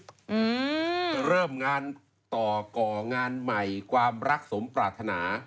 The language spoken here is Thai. อืมเริ่มงานต่อก่องานใหม่ความรักสมปรารถนา